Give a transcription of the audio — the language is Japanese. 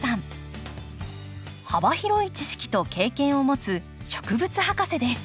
幅広い知識と経験を持つ植物博士です。